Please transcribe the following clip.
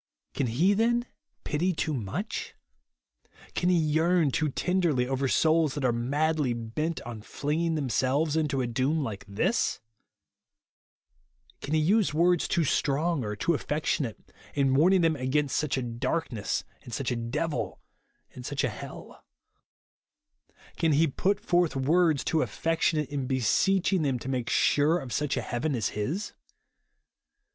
Can he then pity too much ? Can he yearn too ten derly over souls that are madly bent on fiino^inof themselves into a doom like this 1 Can he use words too strong or too affec tionate, in warnino^ them against such a darkness, and such a devil, and such a hell i Can he put forth words too affectionate in beseeching them to make sure of such a heaven as his